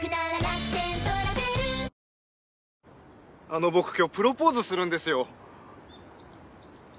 あの僕今日プロポーズするんですよ。